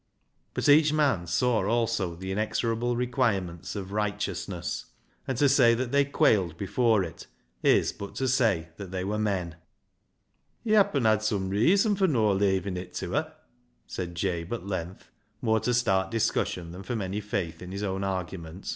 But each man saw also the inexorable require ments of righteousness, and to say that they quailed before it is but to say that they were men. " He happen hed some reeason fur no' leeavin' it to her," said Jabe at length, more to start LIGE'S LEGACY 179 discussion than from any faith in his own argument.